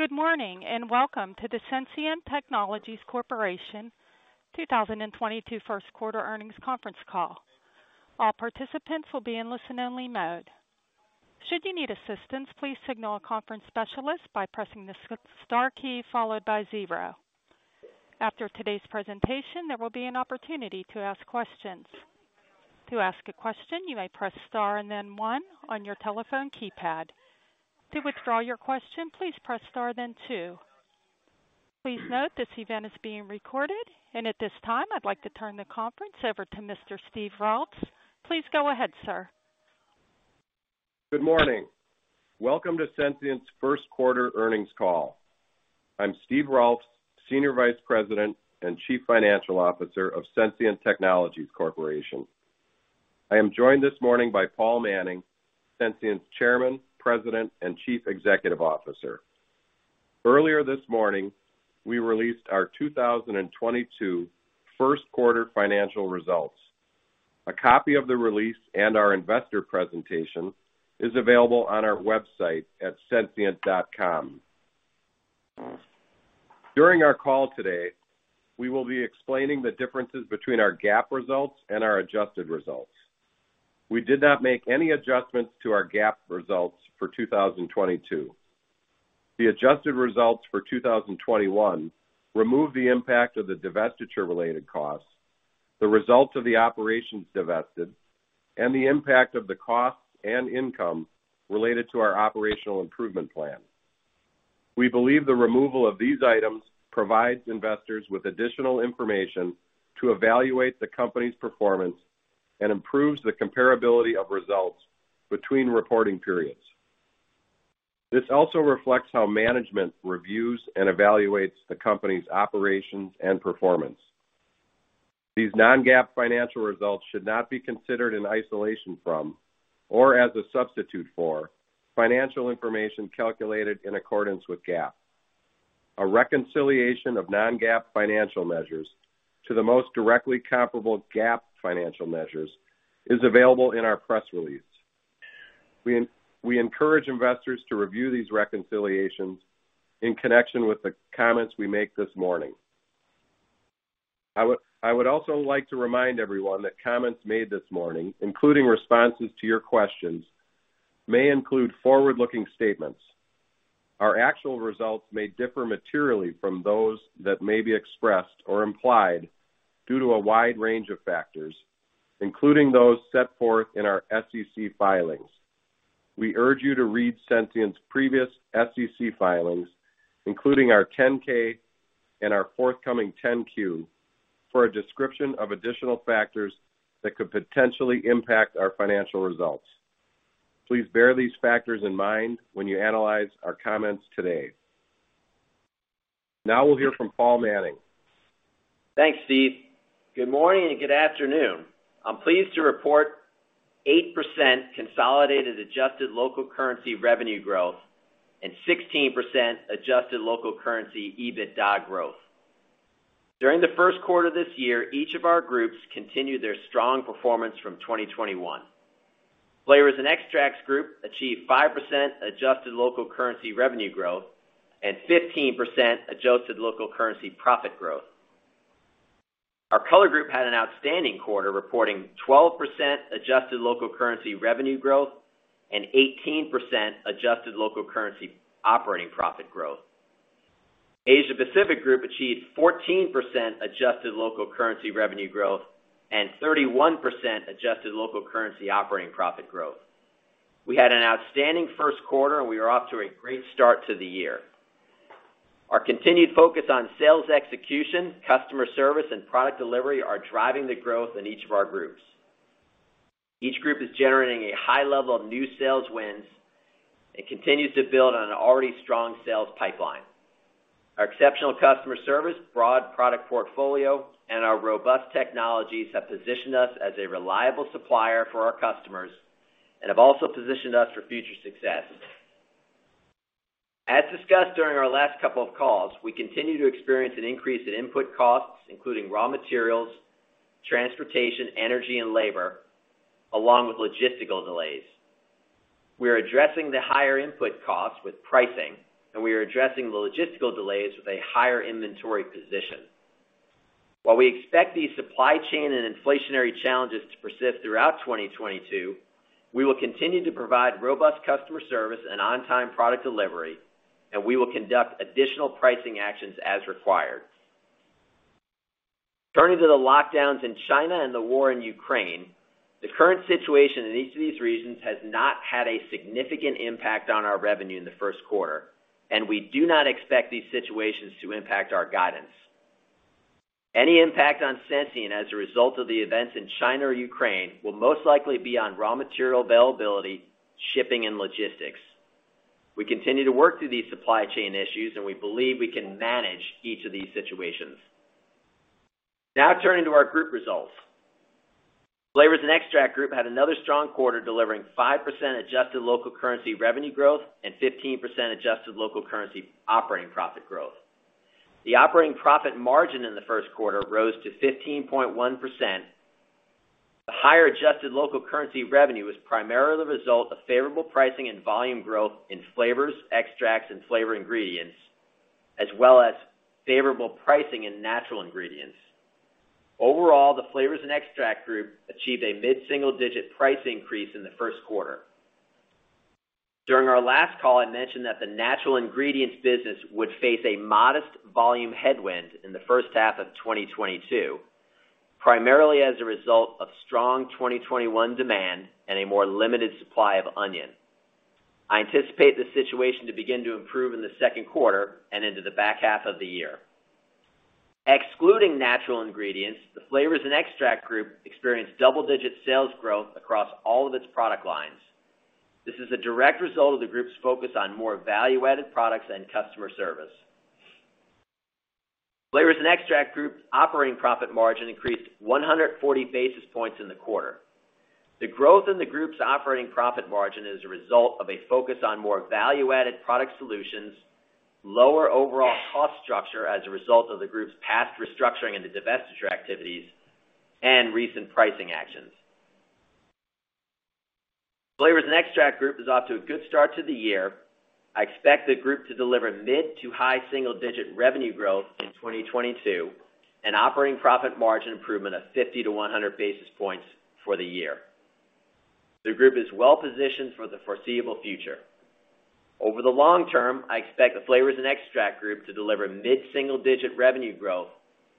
Good morning, and welcome to the Sensient Technologies Corporation 2022 first quarter earnings conference call. All participants will be in listen-only mode. Should you need assistance, please signal a conference specialist by pressing the star key followed by zero. After today's presentation, there will be an opportunity to ask questions. To ask a question, you may press star and then one on your telephone keypad. To withdraw your question, please press star, then two. Please note this event is being recorded. At this time, I'd like to turn the conference over to Mr. Steve Rolfs. Please go ahead, sir. Good morning. Welcome to Sensient's first quarter earnings call. I'm Steve Rolfs, Senior Vice President and Chief Financial Officer of Sensient Technologies Corporation. I am joined this morning by Paul Manning, Sensient's Chairman, President, and Chief Executive Officer. Earlier this morning, we released our 2022 first quarter financial results. A copy of the release and our investor presentation is available on our website at sensient.com. During our call today, we will be explaining the differences between our GAAP results and our adjusted results. We did not make any adjustments to our GAAP results for 2022. The adjusted results for 2021 removed the impact of the divestiture-related costs, the results of the operations divested, and the impact of the costs and income related to our operational improvement plan. We believe the removal of these items provides investors with additional information to evaluate the company's performance and improves the comparability of results between reporting periods. This also reflects how management reviews and evaluates the company's operations and performance. These non-GAAP financial results should not be considered in isolation from or as a substitute for financial information calculated in accordance with GAAP. A reconciliation of non-GAAP financial measures to the most directly comparable GAAP financial measures is available in our press release. We encourage investors to review these reconciliations in connection with the comments we make this morning. I would also like to remind everyone that comments made this morning, including responses to your questions, may include forward-looking statements. Our actual results may differ materially from those that may be expressed or implied due to a wide range of factors, including those set forth in our SEC filings. We urge you to read Sensient's previous SEC filings, including our 10-K and our forthcoming 10-Q, for a description of additional factors that could potentially impact our financial results. Please bear these factors in mind when you analyze our comments today. Now we'll hear from Paul Manning. Thanks, Steve. Good morning and good afternoon. I'm pleased to report 8% consolidated adjusted local currency revenue growth and 16% adjusted local currency EBITDA growth. During the first quarter this year, each of our groups continued their strong performance from 2021. Flavors & Extracts Group achieved 5% adjusted local currency revenue growth and 15% adjusted local currency profit growth. Our Color Group had an outstanding quarter, reporting 12% adjusted local currency revenue growth and 18% adjusted local currency operating profit growth. Asia Pacific Group achieved 14% adjusted local currency revenue growth and 31% adjusted local currency operating profit growth. We had an outstanding first quarter, and we are off to a great start to the year. Our continued focus on sales execution, customer service, and product delivery are driving the growth in each of our groups. Each group is generating a high level of new sales wins and continues to build on an already strong sales pipeline. Our exceptional customer service, broad product portfolio, and our robust technologies have positioned us as a reliable supplier for our customers and have also positioned us for future success. As discussed during our last couple of calls, we continue to experience an increase in input costs, including raw materials, transportation, energy, and labor, along with logistical delays. We are addressing the higher input costs with pricing, and we are addressing the logistical delays with a higher inventory position. While we expect these supply chain and inflationary challenges to persist throughout 2022, we will continue to provide robust customer service and on-time product delivery, and we will conduct additional pricing actions as required. Turning to the lockdowns in China and the war in Ukraine, the current situation in each of these regions has not had a significant impact on our revenue in the first quarter, and we do not expect these situations to impact our guidance. Any impact on Sensient as a result of the events in China or Ukraine will most likely be on raw material availability, shipping, and logistics. We continue to work through these supply chain issues, and we believe we can manage each of these situations. Now turning to our group results. Flavors & Extracts Group had another strong quarter, delivering 5% adjusted local currency revenue growth and 15% adjusted local currency operating profit growth. The operating profit margin in the first quarter rose to 15.1%. The higher adjusted local currency revenue was primarily the result of favorable pricing and volume growth in flavors, extracts, and flavor ingredients, as well as favorable pricing in natural ingredients. Overall, the Flavors & Extracts Group achieved a mid-single-digit price increase in the first quarter. During our last call, I mentioned that the natural ingredients business would face a modest volume headwind in the first half of 2022, primarily as a result of strong 2021 demand and a more limited supply of onion. I anticipate the situation to begin to improve in the second quarter and into the back half of the year. Excluding natural ingredients, the Flavors & Extracts Group experienced double-digit sales growth across all of its product lines. This is a direct result of the group's focus on more value-added products and customer service. Flavors & Extracts Group's operating profit margin increased 140 basis points in the quarter. The growth in the group's operating profit margin is a result of a focus on more value-added product solutions, lower overall cost structure as a result of the group's past restructuring and the divestiture activities, and recent pricing actions. Flavors & Extracts Group is off to a good start to the year. I expect the group to deliver mid- to high single-digit revenue growth in 2022 and operating profit margin improvement of 50-100 basis points for the year. The group is well positioned for the foreseeable future. Over the long term, I expect the Flavors & Extracts Group to deliver mid single-digit revenue growth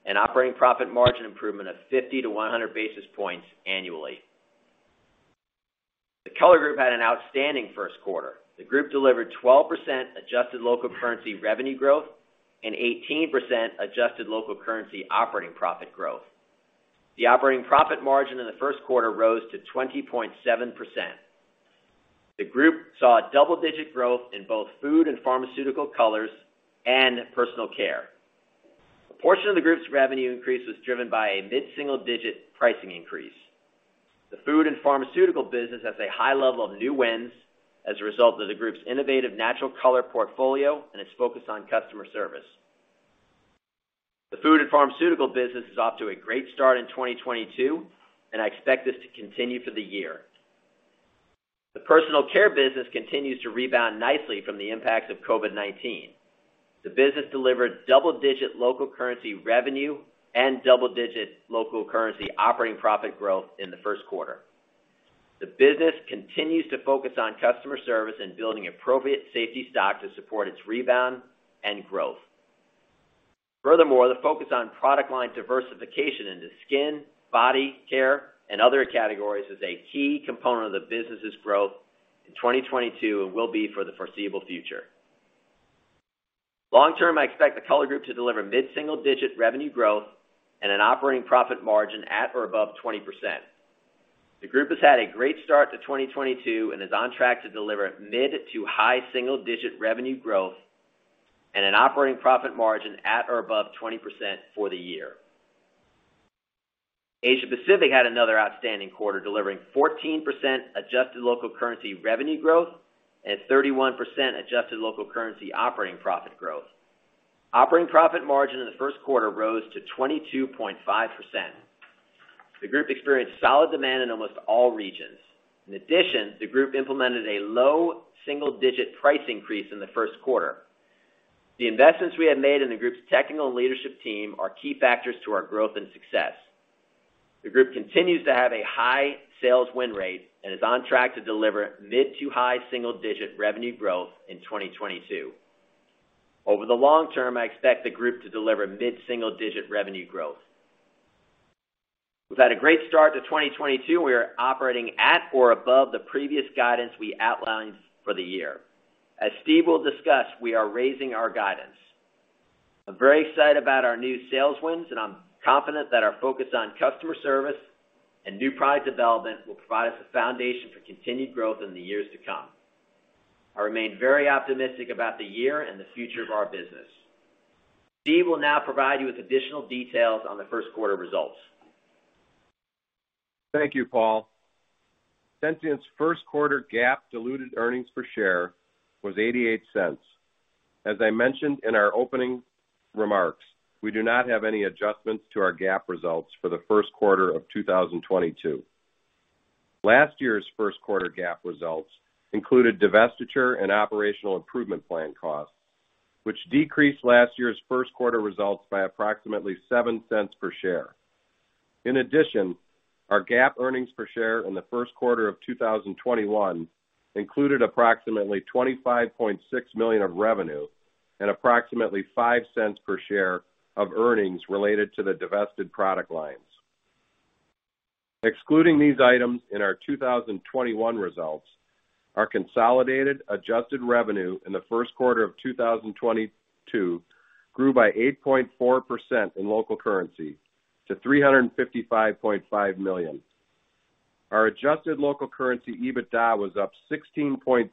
and operating profit margin improvement of 50-100 basis points annually. The Color Group had an outstanding first quarter. The group delivered 12% adjusted local currency revenue growth and 18% adjusted local currency operating profit growth. The operating profit margin in the first quarter rose to 20.7%. The group saw a double-digit growth in both food and pharmaceutical colors and personal care. A portion of the group's revenue increase was driven by a mid-single-digit pricing increase. The food and pharmaceutical business has a high level of new wins as a result of the group's innovative natural color portfolio and its focus on customer service. The food and pharmaceutical business is off to a great start in 2022, and I expect this to continue for the year. The personal care business continues to rebound nicely from the impacts of COVID-19. The business delivered double-digit local currency revenue and double-digit local currency operating profit growth in the first quarter. The business continues to focus on customer service and building appropriate safety stock to support its rebound and growth. Furthermore, the focus on product line diversification into skin, body care, and other categories is a key component of the business's growth in 2022 and will be for the foreseeable future. Long term, I expect the Color Group to deliver mid-single-digit revenue growth and an operating profit margin at or above 20%. The group has had a great start to 2022 and is on track to deliver mid to high single-digit revenue growth and an operating profit margin at or above 20% for the year. Asia Pacific had another outstanding quarter, delivering 14% adjusted local currency revenue growth and 31% adjusted local currency operating profit growth. Operating profit margin in the first quarter rose to 22.5%. The group experienced solid demand in almost all regions. In addition, the group implemented a low single-digit price increase in the first quarter. The investments we have made in the group's technical and leadership team are key factors to our growth and success. The group continues to have a high sales win rate and is on track to deliver mid to high single-digit revenue growth in 2022. Over the long term, I expect the group to deliver mid-single-digit revenue growth. We've had a great start to 2022. We are operating at or above the previous guidance we outlined for the year. As Steve will discuss, we are raising our guidance. I'm very excited about our new sales wins, and I'm confident that our focus on customer service and new product development will provide us a foundation for continued growth in the years to come. I remain very optimistic about the year and the future of our business. Steve will now provide you with additional details on the first quarter results. Thank you, Paul. Sensient's first quarter GAAP diluted earnings per share was $0.88. As I mentioned in our opening remarks, we do not have any adjustments to our GAAP results for the first quarter of 2022. Last year's first quarter GAAP results included divestiture and operational improvement plan costs, which decreased last year's first quarter results by approximately $0.07 per share. In addition, our GAAP earnings per share in the first quarter of 2021 included approximately $25.6 million of revenue and approximately $0.05 per share of earnings related to the divested product lines. Excluding these items in our 2021 results, our consolidated adjusted revenue in the first quarter of 2022 grew by 8.4% in local currency to $355.5 million. Our adjusted local currency EBITDA was up 16.3%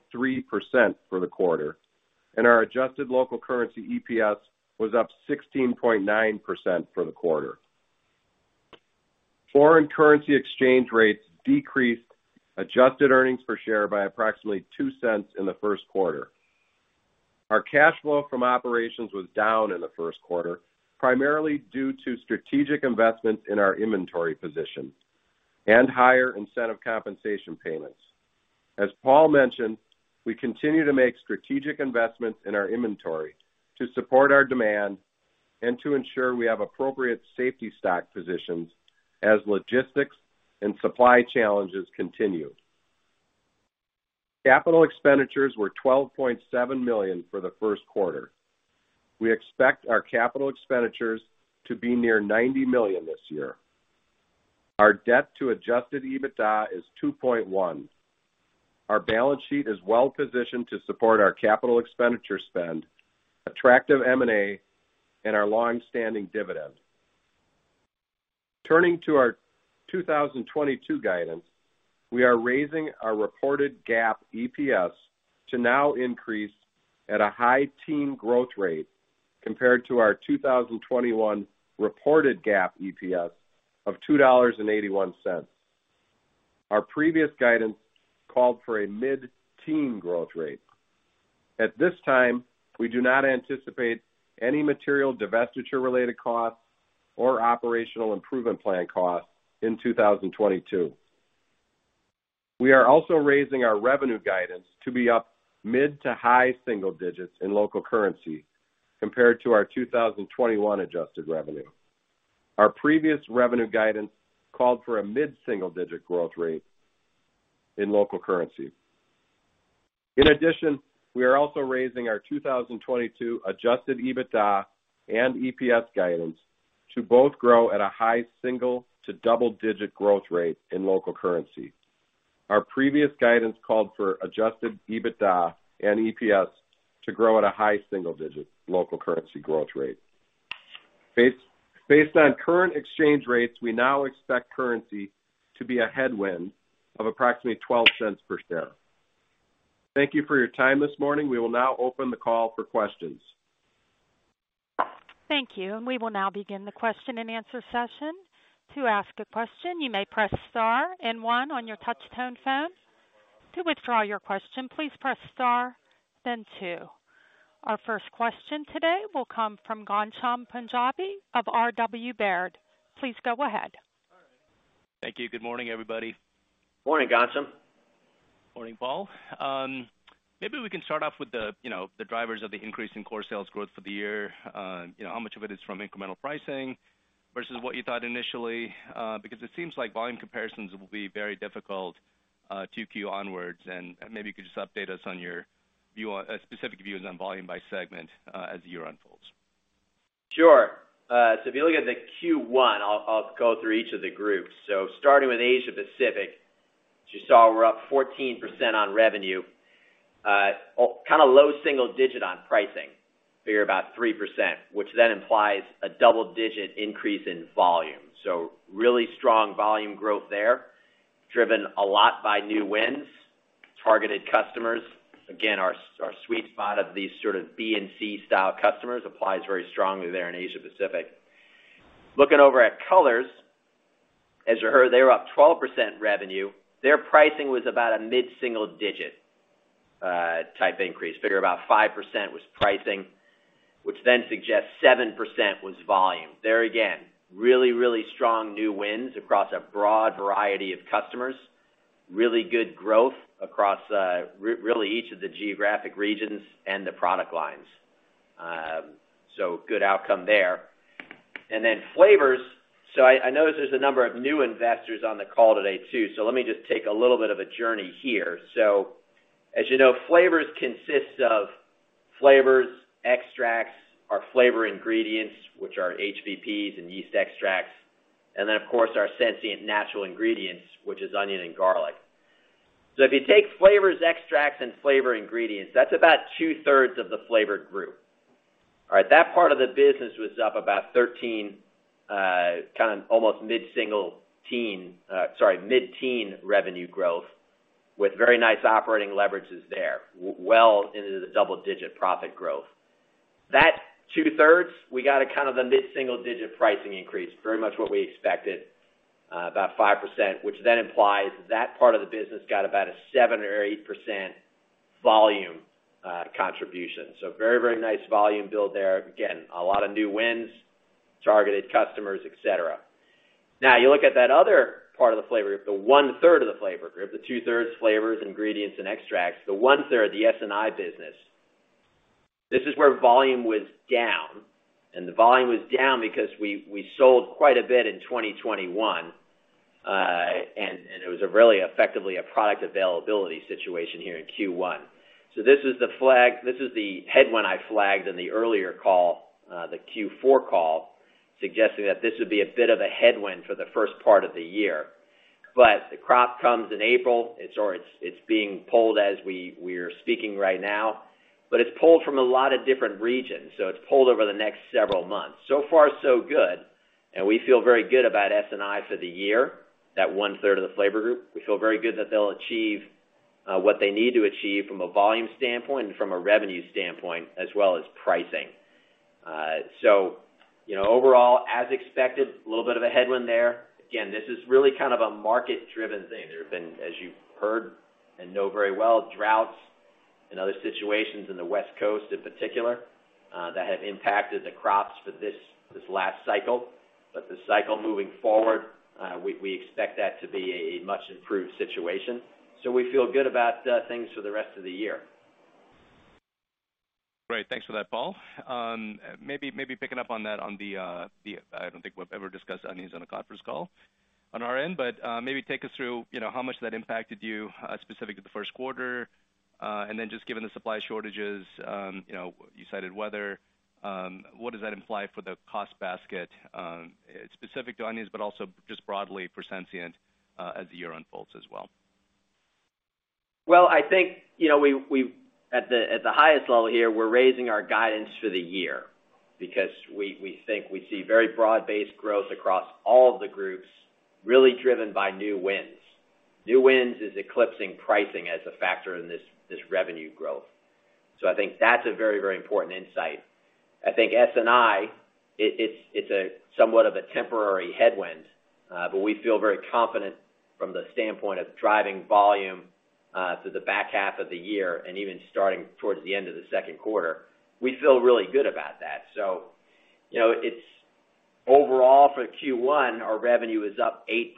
for the quarter, and our adjusted local currency EPS was up 16.9% for the quarter. Foreign currency exchange rates decreased adjusted earnings per share by approximately $0.02 in the first quarter. Our cash flow from operations was down in the first quarter, primarily due to strategic investments in our inventory position and higher incentive compensation payments. As Paul mentioned, we continue to make strategic investments in our inventory to support our demand and to ensure we have appropriate safety stock positions as logistics and supply challenges continue. Capital expenditures were $12.7 million for the first quarter. We expect our capital expenditures to be near $90 million this year. Our debt to adjusted EBITDA is 2.1. Our balance sheet is well positioned to support our capital expenditure spend, attractive M&A, and our long-standing dividend. Turning to our 2022 guidance, we are raising our reported GAAP EPS to now increase at a high-teens growth rate compared to our 2021 reported GAAP EPS of $2.81. Our previous guidance called for a mid-teens growth rate. At this time, we do not anticipate any material divestiture related costs or operational improvement plan costs in 2022. We are also raising our revenue guidance to be up mid- to high-single digits% in local currency compared to our 2021 adjusted revenue. Our previous revenue guidance called for a mid-single-digit growth rate in local currency. In addition, we are also raising our 2022 adjusted EBITDA and EPS guidance to both grow at a high-single- to double-digit growth rate in local currency. Our previous guidance called for adjusted EBITDA and EPS to grow at a high-single-digit local currency growth rate. Based on current exchange rates, we now expect currency to be a headwind of approximately $0.12 per share. Thank you for your time this morning. We will now open the call for questions. Thank you. We will now begin the question and answer session. To ask a question, you may press star and one on your touchtone phone. To withdraw your question, please press star, then two. Our first question today will come from Ghansham Panjabi of R.W. Baird. Please go ahead. Thank you. Good morning, everybody. Morning, Ghansham. Morning, Paul. Maybe we can start off with the, you know, the drivers of the increase in core sales growth for the year. You know, how much of it is from incremental pricing versus what you thought initially? Because it seems like volume comparisons will be very difficult 2Q onwards, and maybe you could just update us on specific views on volume by segment as the year unfolds. Sure. If you look at the Q1, I'll go through each of the groups. Starting with Asia Pacific, as you saw, we're up 14% on revenue, kind of low single digit on pricing, figure about 3%, which then implies a double-digit increase in volume. Really strong volume growth there, driven a lot by new wins, targeted customers. Again, our sweet spot of these sort of B and C style customers applies very strongly there in Asia Pacific. Looking over at Colors, as you heard, they were up 12% revenue. Their pricing was about a mid-single digit type increase, figure about 5% was pricing, which then suggests 7% was volume. There again, really strong new wins across a broad variety of customers. Really good growth across really each of the geographic regions and the product lines. Good outcome there. Flavors. I notice there's a number of new investors on the call today too. Let me just take a little bit of a journey here. As you know, flavors consists of flavors, extracts, our flavor ingredients, which are HVPs and yeast extracts, and then of course, our Sensient Natural Ingredients, which is onion and garlic. If you take flavors, extracts, and flavor ingredients, that's about two-thirds of the Flavors group. All right. That part of the business was up about 13%, kind of almost mid-single-teen, mid-teen revenue growth with very nice operating leverages there, well into the double-digit profit growth. That 2/3, we got a kind of a mid-single digit pricing increase, very much what we expected, about 5%, which then implies that part of the business got about a 7% or 8% volume contribution. Very, very nice volume build there. Again, a lot of new wins, targeted customers, et cetera. Now you look at that other part of the flavor group, the 1/3 of the flavor group, the 2/3 flavors, ingredients, and extracts, the 1/3, the SNI business. This is where volume was down, and the volume was down because we sold quite a bit in 2021, and it was really effectively a product availability situation here in Q1. This is the headwind I flagged in the earlier call, the Q4 call, suggesting that this would be a bit of a headwind for the first part of the year. The crop comes in April. It's being pulled as we're speaking right now, but it's pulled from a lot of different regions, so it's pulled over the next several months. So far so good, and we feel very good about SNI for the year, that 1/3 of the flavor group. We feel very good that they'll achieve what they need to achieve from a volume standpoint and from a revenue standpoint, as well as pricing. You know, overall, as expected, a little bit of a headwind there. Again, this is really kind of a market-driven thing. There have been, as you've heard and know very well, droughts and other situations in the West Coast in particular, that have impacted the crops for this last cycle. The cycle moving forward, we expect that to be a much improved situation. We feel good about things for the rest of the year. Great. Thanks for that, Paul. Maybe picking up on that. I don't think we've ever discussed onions on a conference call on our end. Maybe take us through, you know, how much that impacted you, specific to the first quarter. Then just given the supply shortages, you know, you cited weather, what does that imply for the cost basket, specific to onions but also just broadly for Sensient, as the year unfolds as well? I think, you know, we at the highest level here, we're raising our guidance for the year because we think we see very broad-based growth across all of the groups really driven by new wins. New wins is eclipsing pricing as a factor in this revenue growth. I think that's a very important insight. I think SNI, it's a somewhat of a temporary headwind, but we feel very confident from the standpoint of driving volume through the back half of the year and even starting towards the end of the second quarter. We feel really good about that. You know, overall, for Q1, our revenue is up 8%.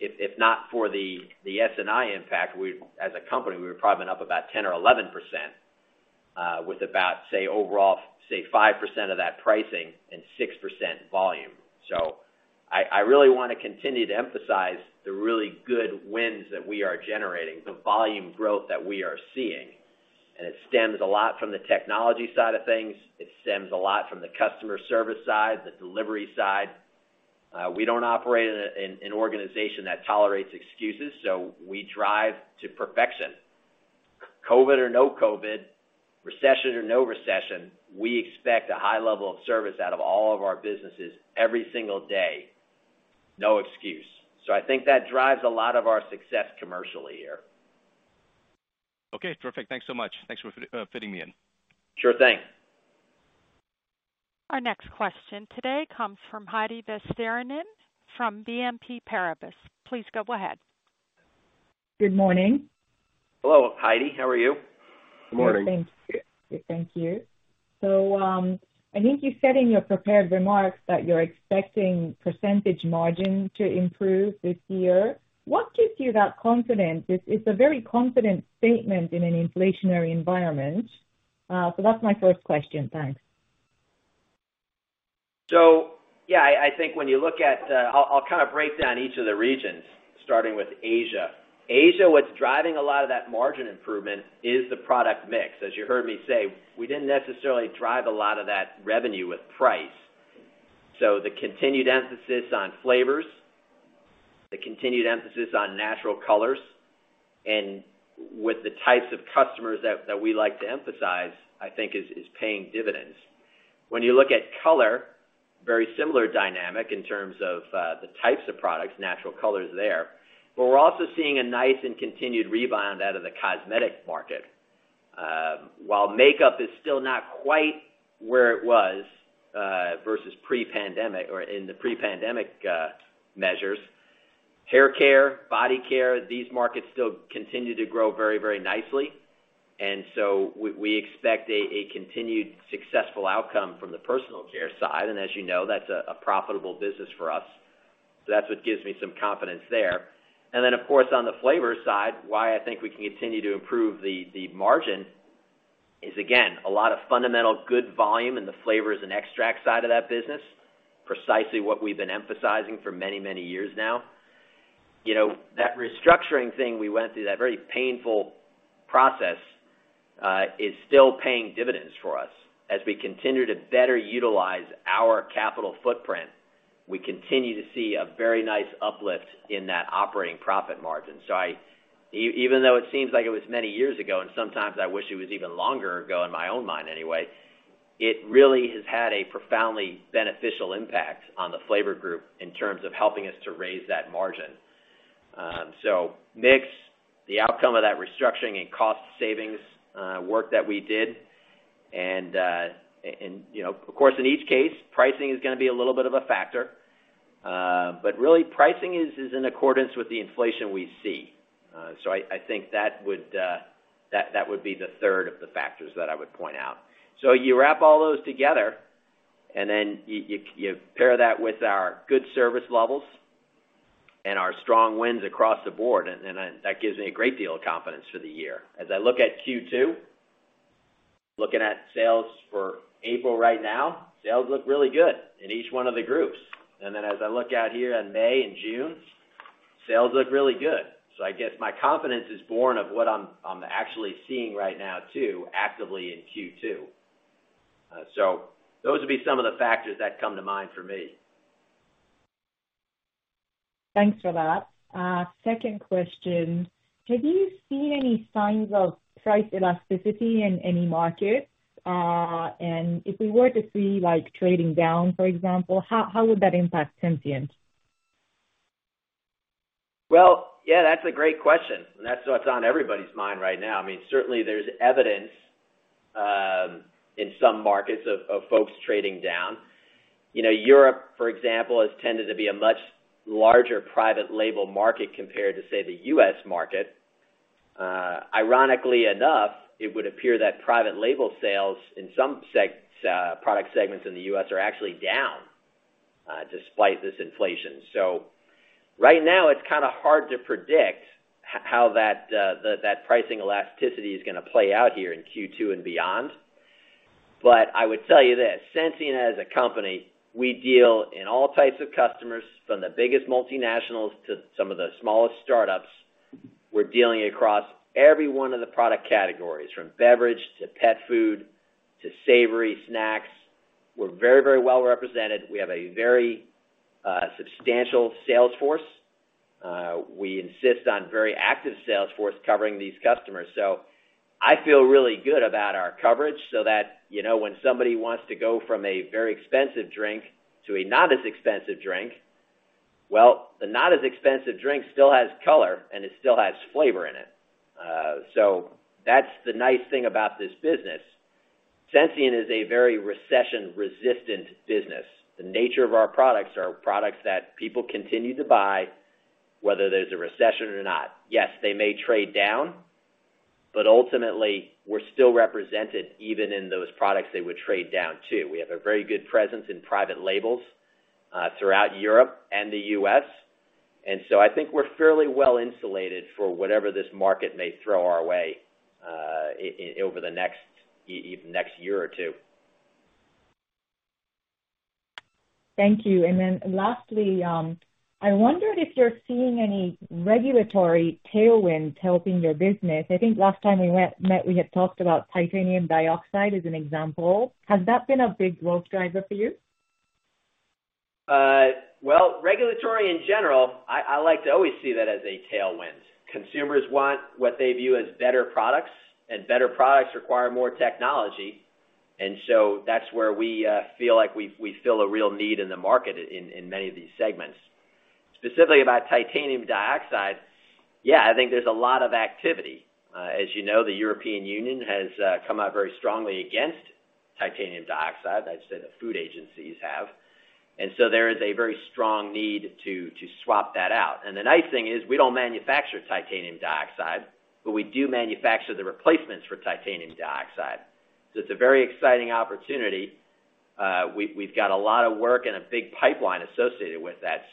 If not for the S&I impact, as a company, we would probably been up about 10 or 11%, with about, say, overall, say, 5% of that pricing and 6% volume. I really wanna continue to emphasize the really good wins that we are generating, the volume growth that we are seeing. It stems a lot from the technology side of things. It stems a lot from the customer service side, the delivery side. We don't operate in an organization that tolerates excuses, so we drive to perfection. COVID or no COVID, recession or no recession, we expect a high level of service out of all of our businesses every single day, no excuse. I think that drives a lot of our success commercially here. Okay. Perfect. Thanks so much. Thanks for fitting me in. Sure thing. Our next question today comes from Heidi Vesterinen from BNP Paribas. Please go ahead. Good morning. Hello, Heidi. How are you? Good morning. Yeah. Thank you. Thank you. I think you said in your prepared remarks that you're expecting percentage margin to improve this year. What gives you that confidence? It's a very confident statement in an inflationary environment. That's my first question. Thanks. Yeah, I think when you look at, I'll kind of break down each of the regions, starting with Asia. Asia, what's driving a lot of that margin improvement is the product mix. As you heard me say, we didn't necessarily drive a lot of that revenue with price. The continued emphasis on flavors, the continued emphasis on natural colors, and with the types of customers that we like to emphasize, I think is paying dividends. When you look at Color, very similar dynamic in terms of the types of products, natural colors there, but we're also seeing a nice and continued rebound out of the cosmetic market. While makeup is still not quite where it was versus pre-pandemic or in the pre-pandemic measures, hair care, body care, these markets still continue to grow very, very nicely. We expect a continued successful outcome from the personal care side. As you know, that's a profitable business for us. That's what gives me some confidence there. Of course, on the flavor side, why I think we can continue to improve the margin is, again, a lot of fundamental good volume in the flavors and extracts side of that business, precisely what we've been emphasizing for many years now. You know, that restructuring thing we went through, that very painful process is still paying dividends for us. As we continue to better utilize our capital footprint, we continue to see a very nice uplift in that operating profit margin. Even though it seems like it was many years ago, and sometimes I wish it was even longer ago in my own mind anyway, it really has had a profoundly beneficial impact on the flavor group in terms of helping us to raise that margin. Mix the outcome of that restructuring and cost savings work that we did. You know, of course, in each case, pricing is gonna be a little bit of a factor. Really pricing is in accordance with the inflation we see. I think that would be the third of the factors that I would point out. You wrap all those together and then you pair that with our good service levels and our strong wins across the board, that gives me a great deal of confidence for the year. As I look at Q2, looking at sales for April right now, sales look really good in each one of the groups. As I look out here in May and June, sales look really good. I guess my confidence is born of what I'm actually seeing right now, too, actively in Q2. Those would be some of the factors that come to mind for me. Thanks for that. Second question. Have you seen any signs of price elasticity in any markets? If we were to see like trading down, for example, how would that impact Sensient? Well, yeah, that's a great question, and that's what's on everybody's mind right now. I mean, certainly there's evidence in some markets of folks trading down. You know, Europe, for example, has tended to be a much larger private label market compared to, say, the U.S. market. Ironically enough, it would appear that private label sales in some product segments in the U.S. are actually down despite this inflation. Right now it's kind of hard to predict how that pricing elasticity is gonna play out here in Q2 and beyond. I would tell you this. Sensient as a company, we deal in all types of customers, from the biggest multinationals to some of the smallest startups. We're dealing across every one of the product categories, from beverage to pet food to savory snacks. We're very, very well represented. We have a very substantial sales force. We insist on very active sales force covering these customers. I feel really good about our coverage so that, you know, when somebody wants to go from a very expensive drink to a not as expensive drink, well, the not as expensive drink still has color and it still has flavor in it. That's the nice thing about this business. Sensient is a very recession-resistant business. The nature of our products are products that people continue to buy, whether there's a recession or not. Yes, they may trade down, but ultimately we're still represented even in those products they would trade down to. We have a very good presence in private labels throughout Europe and the U.S. I think we're fairly well insulated for whatever this market may throw our way, over the next year or two. Thank you. Lastly, I wondered if you're seeing any regulatory tailwinds helping your business. I think last time we met, we had talked about titanium dioxide as an example. Has that been a big growth driver for you? Well, regulatory in general, I like to always see that as a tailwind. Consumers want what they view as better products, and better products require more technology. That's where we feel like we fill a real need in the market in many of these segments. Specifically about titanium dioxide, yeah, I think there's a lot of activity. As you know, the European Union has come out very strongly against titanium dioxide. I'd say the food agencies have. There is a very strong need to swap that out. The nice thing is we don't manufacture titanium dioxide, but we do manufacture the replacements for titanium dioxide. It's a very exciting opportunity. We've got a lot of work and a big pipeline associated with that.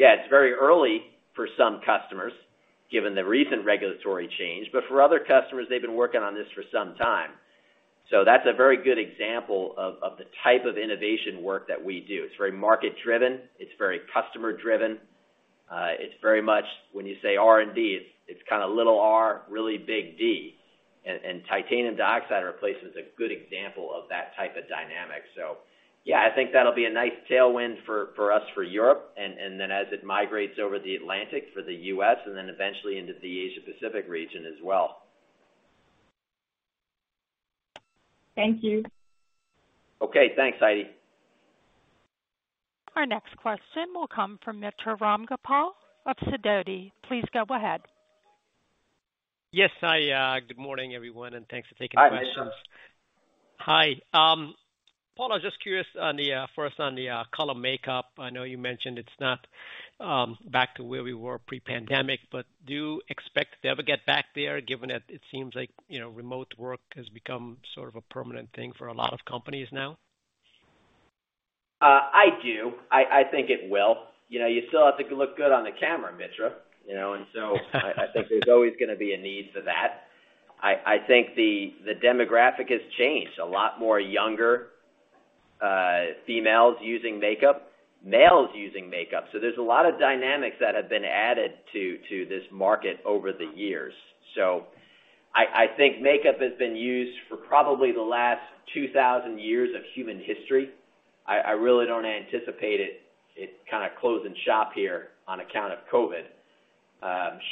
Yeah, it's very early for some customers given the recent regulatory change, but for other customers they've been working on this for some time. That's a very good example of the type of innovation work that we do. It's very market driven. It's very customer driven. It's very much when you say R&D, it's kind of little R, really big D. And titanium dioxide replacement is a good example of that type of dynamic. Yeah, I think that'll be a nice tailwind for us for Europe and then as it migrates over the Atlantic for the U.S. and then eventually into the Asia-Pacific region as well. Thank you. Okay, thanks, Heidi. Our next question will come from Mitra Ramgopal of Sidoti. Please go ahead. Yes, hi. Good morning everyone, and thanks for taking questions. Hi, Mitra. Hi. Paul, I was just curious on the color makeup. I know you mentioned it's not back to where we were pre-pandemic, but do you expect to ever get back there given that it seems like, you know, remote work has become sort of a permanent thing for a lot of companies now? I do. I think it will. You know, you still have to look good on the camera, Mitra, you know. I think there's always gonna be a need for that. I think the demographic has changed. A lot more younger females using makeup, males using makeup. There's a lot of dynamics that have been added to this market over the years. I think makeup has been used for probably the last 2,000 years of human history. I really don't anticipate it kind of closing shop here on account of COVID.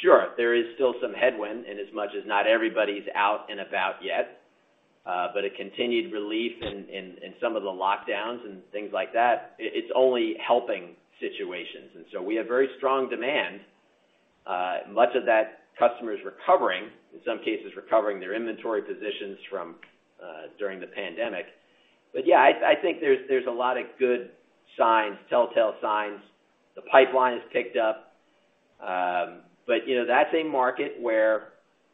Sure, there is still some headwind in as much as not everybody's out and about yet, but a continued relief in some of the lockdowns and things like that, it's only helping situations. We have very strong demand. Much of that customers recovering, in some cases recovering their inventory positions from during the pandemic. Yeah, I think there's a lot of good signs, telltale signs. The pipeline has picked up. You know, that's a market where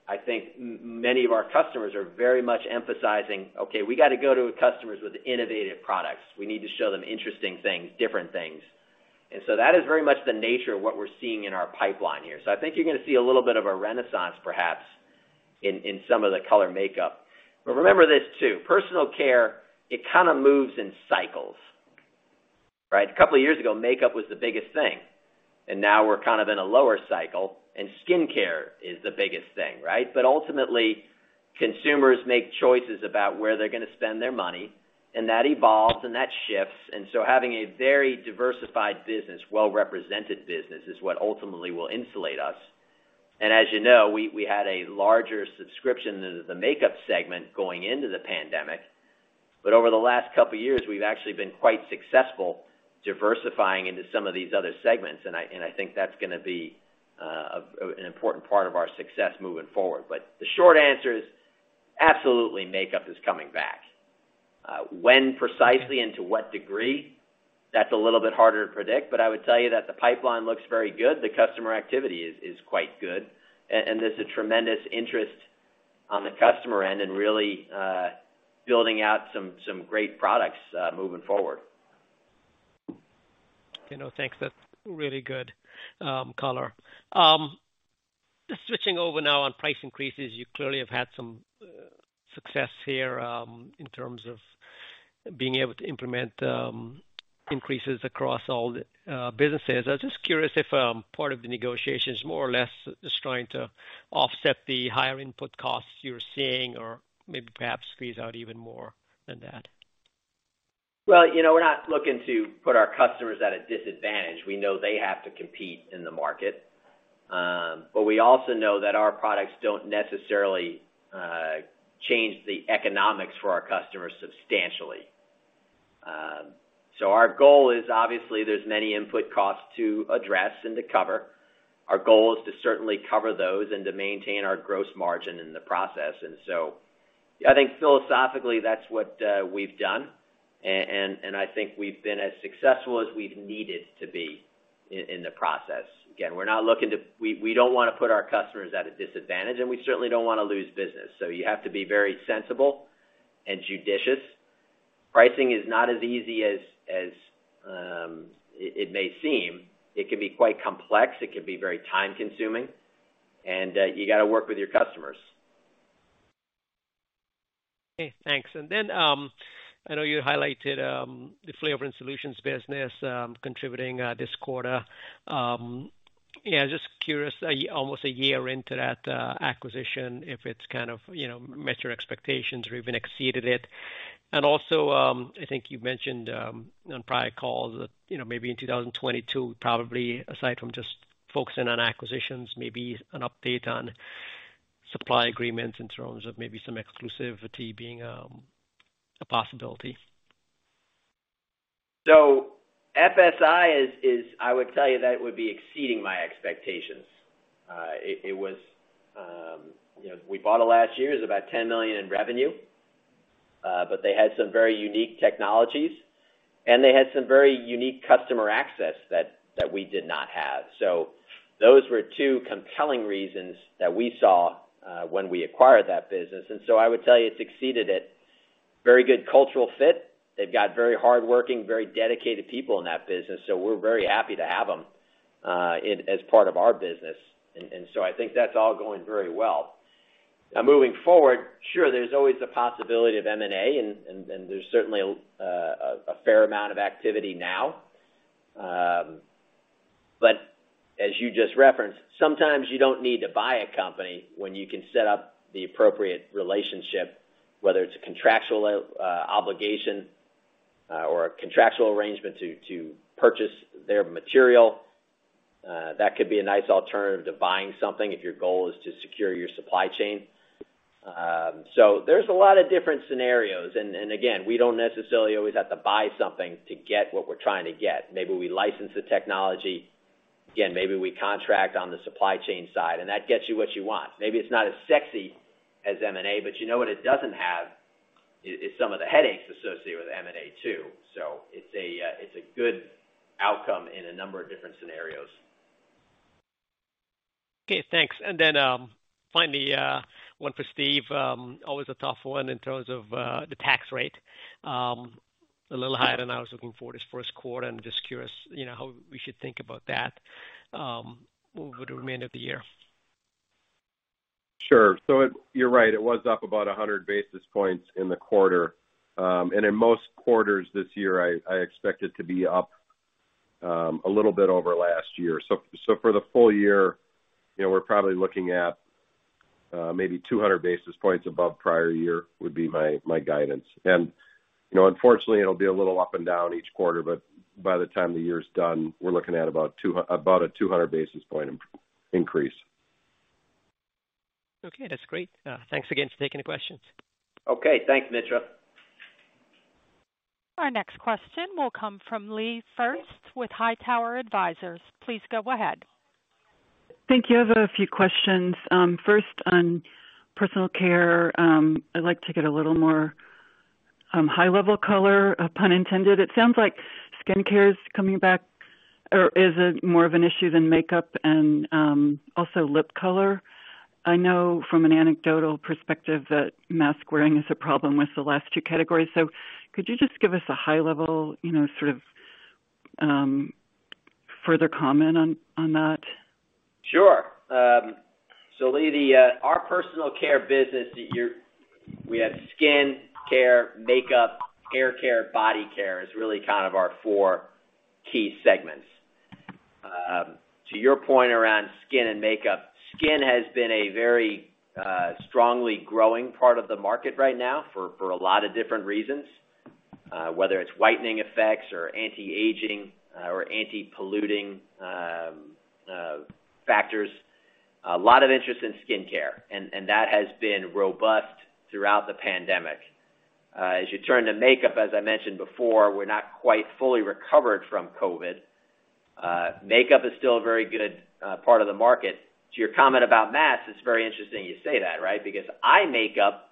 I think many of our customers are very much emphasizing, "Okay, we got to go to customers with innovative products. We need to show them interesting things, different things." That is very much the nature of what we're seeing in our pipeline here. I think you're gonna see a little bit of a renaissance perhaps in some of the color makeup. Remember this too, personal care, it kind of moves in cycles, right? A couple of years ago makeup was the biggest thing and now we're kind of in a lower cycle and skincare is the biggest thing, right? Ultimately consumers make choices about where they're gonna spend their money and that evolves and that shifts. Having a very diversified business, well represented business is what ultimately will insulate us. As you know, we had a larger subscription into the makeup segment going into the pandemic. Over the last couple of years, we've actually been quite successful diversifying into some of these other segments, and I think that's gonna be an important part of our success moving forward. The short answer is, absolutely, makeup is coming back. When precisely and to what degree, that's a little bit harder to predict, but I would tell you that the pipeline looks very good. The customer activity is quite good. There's a tremendous interest on the customer end and really building out some great products moving forward. Okay. No, thanks. That's really good color. Just switching over now on price increases. You clearly have had some success here in terms of being able to implement increases across all the businesses. I was just curious if part of the negotiation is more or less just trying to offset the higher input costs you're seeing or maybe perhaps squeeze out even more than that. Well, you know, we're not looking to put our customers at a disadvantage. We know they have to compete in the market. We also know that our products don't necessarily change the economics for our customers substantially. Our goal is obviously there's many input costs to address and to cover. Our goal is to certainly cover those and to maintain our gross margin in the process. I think philosophically, that's what we've done. I think we've been as successful as we've needed to be in the process. Again, we don't wanna put our customers at a disadvantage, and we certainly don't wanna lose business. You have to be very sensible and judicious. Pricing is not as easy as it may seem. It can be quite complex, it can be very time-consuming, and you gotta work with your customers. Okay, thanks. I know you highlighted the Flavor Solutions business contributing this quarter. Just curious, almost a year into that acquisition, if it's kind of, you know, met your expectations or even exceeded it? I think you mentioned on prior calls that, you know, maybe in 2022, probably aside from just focusing on acquisitions, maybe an update on supply agreements in terms of maybe some exclusivity being a possibility. FSI is. I would tell you that it would be exceeding my expectations. It was, you know, we bought it last year. It was about $10 million in revenue, but they had some very unique technologies, and they had some very unique customer access that we did not have. Those were two compelling reasons that we saw when we acquired that business, and I would tell you it succeeded. Very good cultural fit. They've got very hardworking, very dedicated people in that business, so we're very happy to have them as part of our business. I think that's all going very well. Now moving forward, sure, there's always the possibility of M&A, and there's certainly a fair amount of activity now. As you just referenced, sometimes you don't need to buy a company when you can set up the appropriate relationship, whether it's a contractual obligation or a contractual arrangement to purchase their material. That could be a nice alternative to buying something if your goal is to secure your supply chain. There's a lot of different scenarios. Again, we don't necessarily always have to buy something to get what we're trying to get. Maybe we license the technology. Again, maybe we contract on the supply chain side, and that gets you what you want. Maybe it's not as sexy as M&A, but you know what it doesn't have is some of the headaches associated with M&A, too. It's a good outcome in a number of different scenarios. Okay, thanks. Finally, one for Steve. Always a tough one in terms of the tax rate. A little higher than I was looking for this first quarter. I'm just curious, you know, how we should think about that over the remainder of the year. Sure. You're right. It was up about 100 basis points in the quarter. In most quarters this year, I expect it to be up a little bit over last year. For the full year, you know, we're probably looking at maybe 200 basis points above prior year would be my guidance. You know, unfortunately, it'll be a little up and down each quarter, but by the time the year is done, we're looking at about a 200 basis point increase. Okay, that's great. Thanks again for taking the questions. Okay. Thanks, Mitra. Our next question will come from [Lee First] with HighTower Advisors. Please go ahead. Thank you. I have a few questions. First, on personal care, I'd like to get a little more high-level color, a pun intended. It sounds like skincare is coming back or is more of an issue than makeup and also lip color. I know from an anecdotal perspective that mask-wearing is a problem with the last two categories. Could you just give us a high-level, you know, sort of, further comment on that? Sure. Lee, our personal care business. We have skin care, makeup, hair care, body care is really kind of our four key segments. To your point around skin and makeup, skin has been a very strongly growing part of the market right now for a lot of different reasons. Whether it's whitening effects or anti-aging or anti-polluting factors. A lot of interest in skin care, and that has been robust throughout the pandemic. As you turn to makeup, as I mentioned before, we're not quite fully recovered from COVID. Makeup is still a very good part of the market. To your comment about masks, it's very interesting you say that, right? Because eye makeup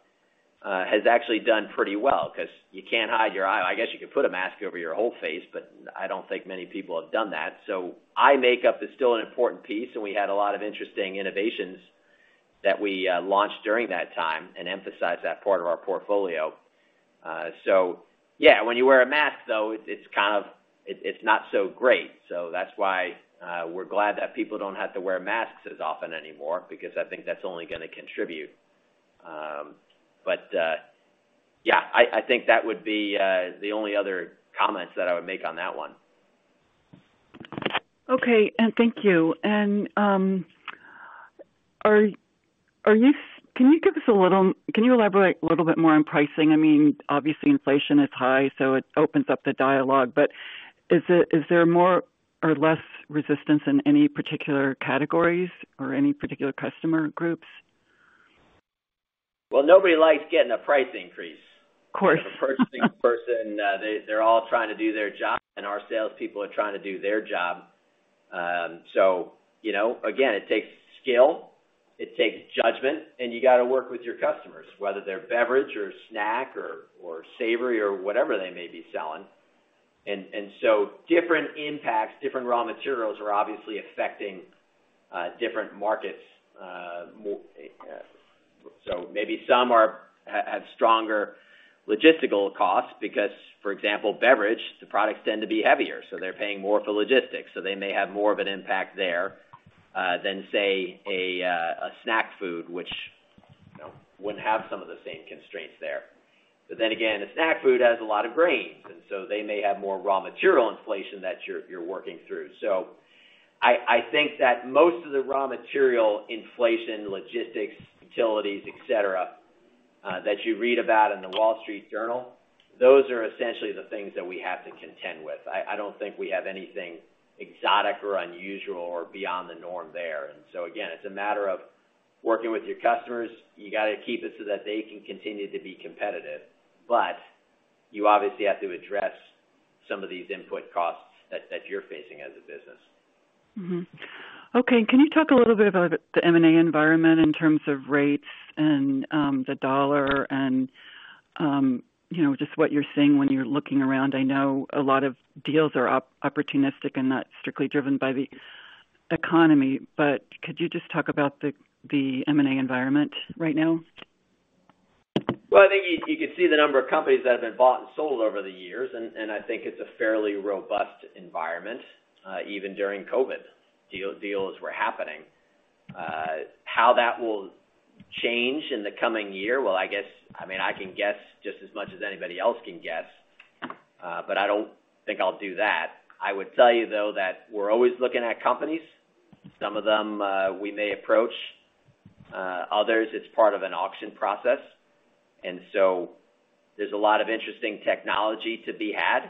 has actually done pretty well because you can't hide your eye. I guess you could put a mask over your whole face, but I don't think many people have done that. Eye makeup is still an important piece, and we had a lot of interesting innovations that we launched during that time and emphasized that part of our portfolio. When you wear a mask, though, it's not so great. That's why we're glad that people don't have to wear masks as often anymore because I think that's only gonna contribute. I think that would be the only other comments that I would make on that one. Okay. Thank you. Can you elaborate a little bit more on pricing? I mean, obviously inflation is high, so it opens up the dialogue. Is there more or less resistance in any particular categories or any particular customer groups? Well, nobody likes getting a price increase. Of course. Purchasing personnel, they're all trying to do their job, and our salespeople are trying to do their job. You know, again, it takes skill, it takes judgment, and you got to work with your customers, whether they're beverage or snack or savory or whatever they may be selling. Different impacts, different raw materials are obviously affecting different markets more, so maybe some have stronger logistical costs because, for example, beverage, the products tend to be heavier, so they're paying more for logistics. They may have more of an impact there than, say, a snack food, which, you know, wouldn't have some of the same constraints there. Again, a snack food has a lot of grains, and so they may have more raw material inflation that you're working through. I think that most of the raw material inflation, logistics, utilities, et cetera, that you read about in The Wall Street Journal, those are essentially the things that we have to contend with. I don't think we have anything exotic or unusual or beyond the norm there. Again, it's a matter of working with your customers. You gotta keep it so that they can continue to be competitive. You obviously have to address some of these input costs that you're facing as a business. Okay. Can you talk a little bit about the M&A environment in terms of rates and the dollar and you know, just what you're seeing when you're looking around? I know a lot of deals are opportunistic and not strictly driven by the economy, but could you just talk about the M&A environment right now? Well, I think you could see the number of companies that have been bought and sold over the years, and I think it's a fairly robust environment. Even during COVID, deals were happening. How that will change in the coming year. Well, I guess. I mean, I can guess just as much as anybody else can guess, but I don't think I'll do that. I would tell you, though, that we're always looking at companies. Some of them, we may approach. Others, it's part of an auction process. There's a lot of interesting technology to be had.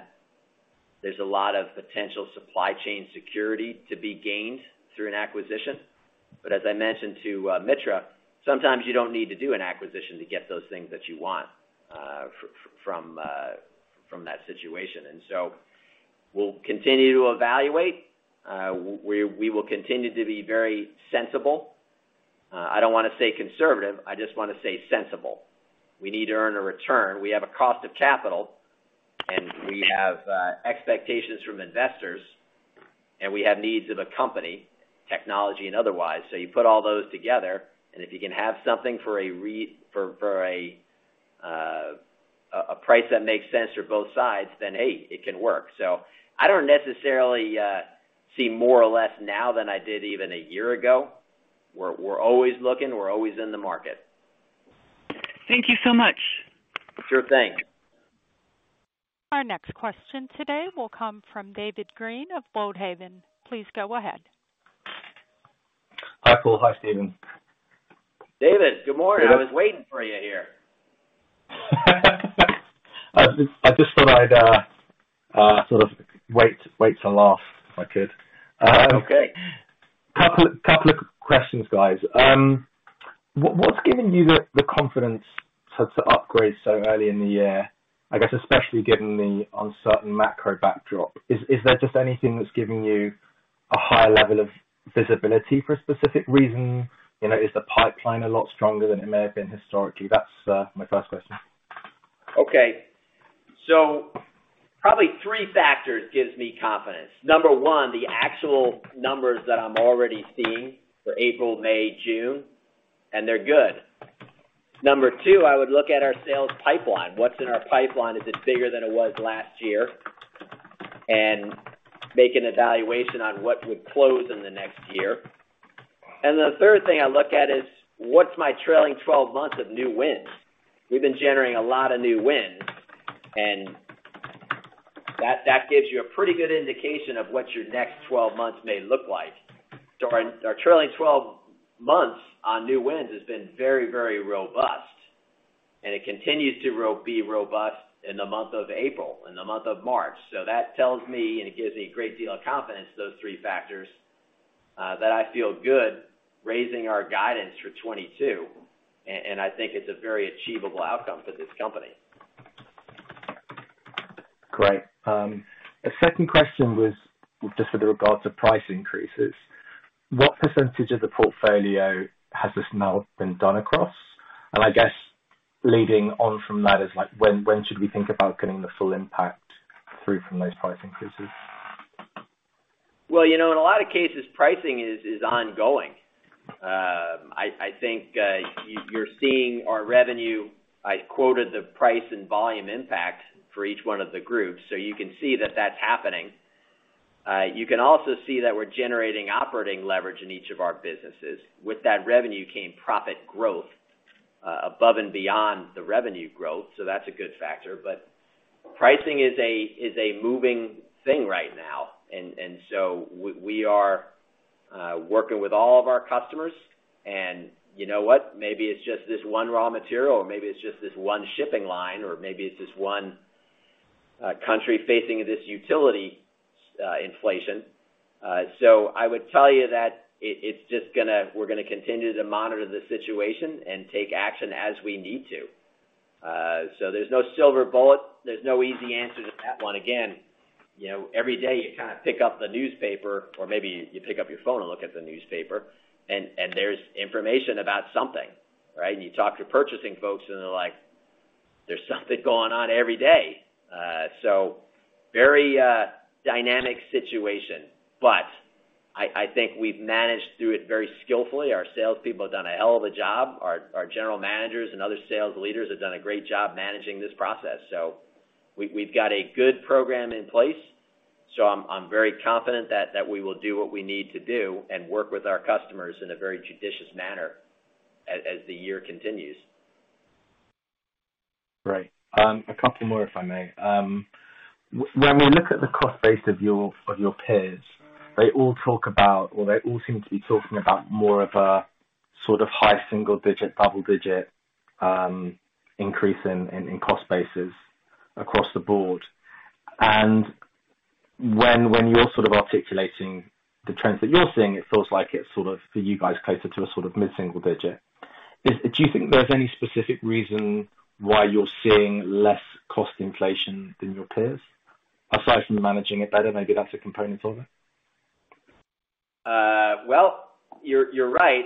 There's a lot of potential supply chain security to be gained through an acquisition. As I mentioned to Mitra, sometimes you don't need to do an acquisition to get those things that you want, from that situation. We'll continue to evaluate. We will continue to be very sensible. I don't wanna say conservative, I just wanna say sensible. We need to earn a return. We have a cost of capital, and we have expectations from investors, and we have needs of a company, technology and otherwise. You put all those together, and if you can have something for a price that makes sense for both sides, then hey, it can work. I don't necessarily see more or less now than I did even a year ago. We're always looking, we're always in the market. Thank you so much. Sure thing. Our next question today will come from David Green of Boldhaven. Please go ahead. Hi, Paul. Hi, Steve. David, good morning. Yeah. I was waiting for you here. I just thought I'd sort of wait to laugh if I could. Okay. Couple of questions, guys. What's giving you the confidence to upgrade so early in the year, I guess especially given the uncertain macro backdrop? Is there just anything that's giving you a higher level of visibility for a specific reason? You know, is the pipeline a lot stronger than it may have been historically? That's my first question. Okay. Probably three factors gives me confidence. Number one, the actual numbers that I'm already seeing for April, May, June, and they're good. Number two, I would look at our sales pipeline. What's in our pipeline? Is it bigger than it was last year? Make an evaluation on what would close in the next year. The third thing I look at is what's my trailing twelve months of new wins. We've been generating a lot of new wins. That gives you a pretty good indication of what your next twelve months may look like. Our trailing twelve months on new wins has been very, very robust, and it continues to be robust in the month of April, in the month of March. That tells me, and it gives me a great deal of confidence, those three factors, that I feel good raising our guidance for 2022, and I think it's a very achievable outcome for this company. Great. The second question was just with regards to price increases. What percentage of the portfolio has this now been done across? I guess leading on from that is like when should we think about getting the full impact through from those price increases? Well, you know, in a lot of cases, pricing is ongoing. I think you're seeing our revenue. I quoted the price and volume impact for each one of the groups, so you can see that that's happening. You can also see that we're generating operating leverage in each of our businesses. With that revenue came profit growth above and beyond the revenue growth, so that's a good factor. Pricing is a moving thing right now. We are working with all of our customers. You know what? Maybe it's just this one raw material, or maybe it's just this one shipping line, or maybe it's this one country facing this utility inflation. I would tell you that it's just gonna We're gonna continue to monitor the situation and take action as we need to. There's no silver bullet. There's no easy answer to that one. Again, you know, every day you kind of pick up the newspaper or maybe you pick up your phone and look at the newspaper and there's information about something, right? You talk to purchasing folks and they're like, "There's something going on every day." Very dynamic situation, but I think we've managed through it very skillfully. Our salespeople have done a hell of a job. Our general managers and other sales leaders have done a great job managing this process. We've got a good program in place, so I'm very confident that we will do what we need to do and work with our customers in a very judicious manner as the year continues. Right. A couple more, if I may. When we look at the cost base of your, of your peers, they all talk about or they all seem to be talking about more of a sort of high single-digit, double-digit increase in cost bases across the board. When you're sort of articulating the trends that you're seeing, it feels like it's sort of for you guys closer to a sort of mid-single-digit. Do you think there's any specific reason why you're seeing less cost inflation than your peers, aside from managing it better? Maybe that's a component of it. Well, you're right.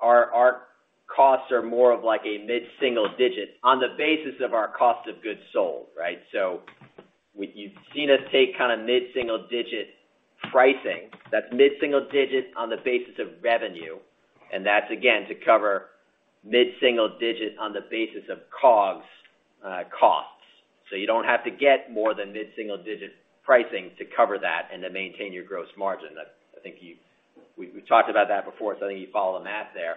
Our costs are more of like a mid-single-digit on the basis of our cost of goods sold, right? You've seen us take kind of mid-single-digit pricing. That's mid-single-digit on the basis of revenue, and that's again to cover mid-single-digit on the basis of COGS costs. You don't have to get more than mid-single-digit pricing to cover that and to maintain your gross margin. That's. I think you've. We've talked about that before, so I think you follow the math there.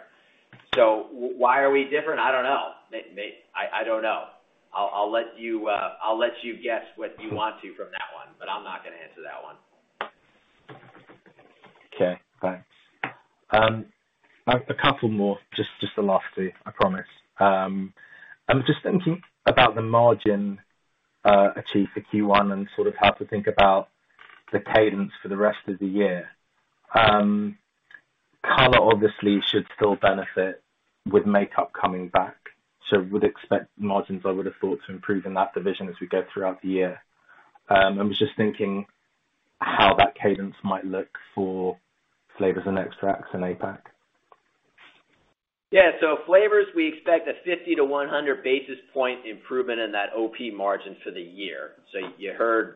Why are we different? I don't know. I'll let you guess what you want to from that one, but I'm not gonna answer that one. Okay. Thanks. A couple more. Just the last two, I promise. I'm just thinking about the margin achieved for Q1 and sort of how to think about the cadence for the rest of the year. Color obviously should still benefit with makeup coming back, so would expect margins I would have thought to improve in that division as we go throughout the year. I was just thinking how that cadence might look for flavors and extracts in APAC. Yeah. Flavors, we expect a 50-100 basis point improvement in that OP margin for the year. You heard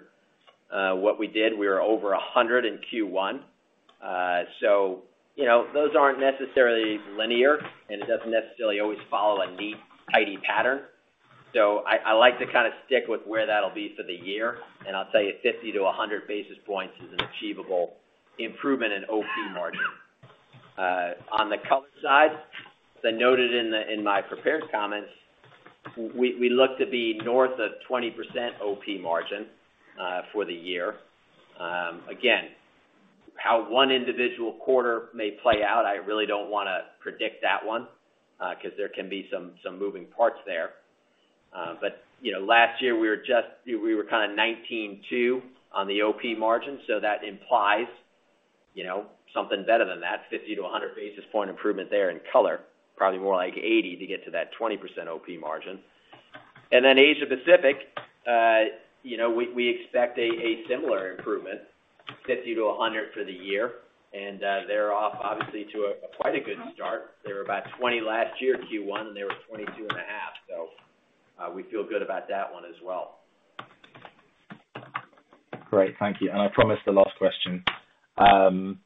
what we did. We were over 100 in Q1. You know, those aren't necessarily linear, and it doesn't necessarily always follow a neat, tidy pattern. I like to kind of stick with where that'll be for the year, and I'll tell you 50-100 basis points is an achievable improvement in OP margin. On the Color side, as I noted in the, in my prepared comments, we look to be north of 20% OP margin for the year. Again, how one individual quarter may play out, I really don't wanna predict that one, 'cause there can be some moving parts there. You know, last year we were just. We were kind of 19.2 on the OP margin, so that implies, you know, something better than that 50-100 basis point improvement there in color, probably more like 80 to get to that 20% OP margin. Then Asia Pacific, we expect a similar improvement, 50-100 for the year. They're off obviously to quite a good start. They were about 20 last year, Q1, and they were 22.5. We feel good about that one as well. Great. Thank you. I promise the last question. On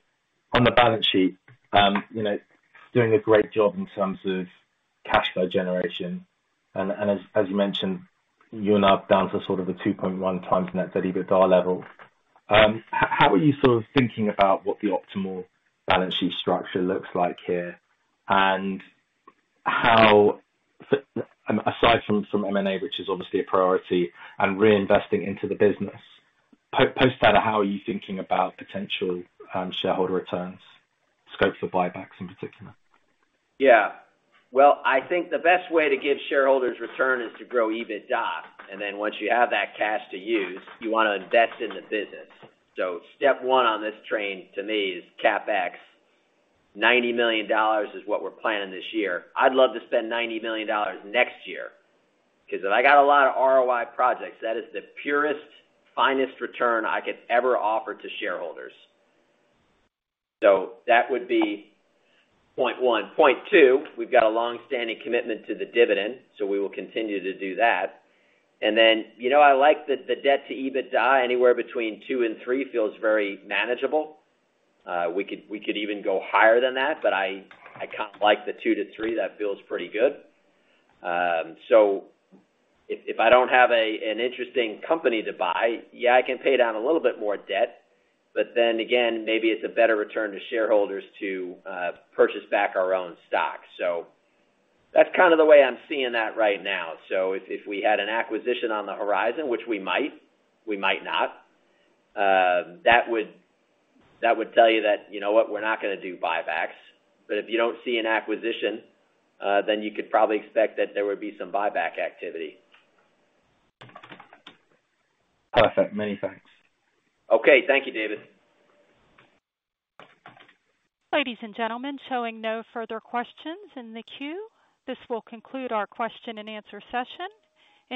the balance sheet, you know, doing a great job in terms of cash flow generation and, as you mentioned, you are now down to sort of a 2.1x net debt EBITDA level. How are you sort of thinking about what the optimal balance sheet structure looks like here, aside from M&A, which is obviously a priority and reinvesting into the business, post that, how are you thinking about potential shareholder returns, scope for buybacks in particular? Yeah. Well, I think the best way to give shareholders return is to grow EBITDA. Then once you have that cash to use, you wanna invest in the business. Step one on this train to me is CapEx. $90 million is what we're planning this year. I'd love to spend $90 million next year, 'cause I got a lot of ROI projects. That is the purest, finest return I could ever offer to shareholders. That would be point one. Point two, we've got a long-standing commitment to the dividend, so we will continue to do that. Then, you know, I like the debt to EBITDA. Anywhere between 2 and 3 feels very manageable. We could even go higher than that, but I kind of like the 2-3. That feels pretty good. If I don't have an interesting company to buy, yeah, I can pay down a little bit more debt, but then again, maybe it's a better return to shareholders to purchase back our own stock. That's kind of the way I'm seeing that right now. If we had an acquisition on the horizon, which we might, we might not, that would tell you that, you know what, we're not gonna do buybacks. If you don't see an acquisition, then you could probably expect that there would be some buyback activity. Perfect. Many thanks. Okay. Thank you, David. Ladies and gentlemen, showing no further questions in the queue, this will conclude our question and answer session.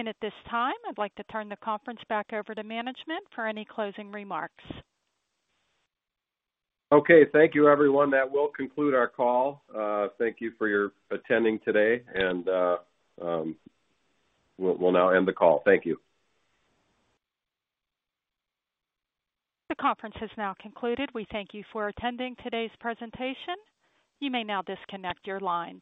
At this time, I'd like to turn the conference back over to management for any closing remarks. Okay. Thank you everyone. That will conclude our call. Thank you for your attending today, and we'll now end the call. Thank you. The conference has now concluded. We thank you for attending today's presentation. You may now disconnect your lines.